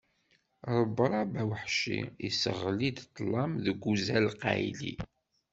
Rebrab aweḥci iseɣli-d ṭṭlam deg uzal qqayli.